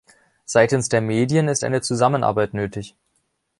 Seitens der Medien ist eine Zusammenarbeit nötig.